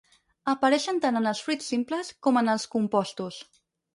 Apareixen tant en els fruits simples com en els compostos.